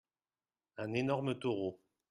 Un énorme taureau.